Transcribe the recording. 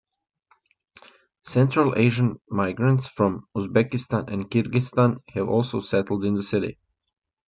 Central Asian migrants from Uzbekistan and Kyrghyzstan have also settled in the city.